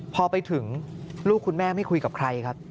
พอไปถึงลูกคุณแม่ไม่คุยกับใครครับ